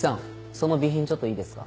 その備品ちょっといいですか？